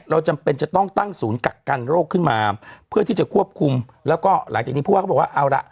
จำเป็นจะต้องตั้งศูนย์กักกันโรคขึ้นมาเพื่อที่จะควบคุมแล้วก็หลังจากนี้ผู้ว่าเขาบอกว่าเอาล่ะ